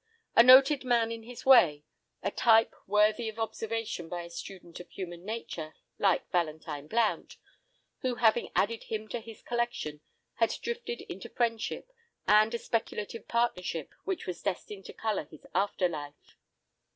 A noted man in his way, a type worthy of observation by a student of human nature, like Valentine Blount, who, having added him to his collection, had drifted into friendship, and a speculative partnership which was destined to colour his after life.